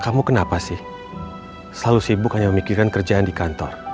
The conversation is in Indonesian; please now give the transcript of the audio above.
kamu kenapa sih selalu sibuk hanya memikirkan kerjaan di kantor